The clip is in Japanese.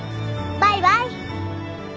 バイバイ。